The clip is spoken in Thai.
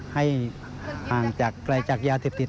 ให้ห่างจากไกลจากยาเสพติด